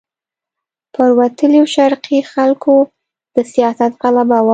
پر وتلیو شرقي خلکو د سیاست غلبه وه.